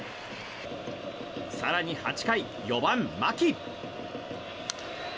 更に８回４番、牧。